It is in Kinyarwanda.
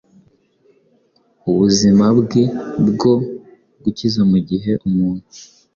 Ubuzima bwe bwo gukizamugihe umuntu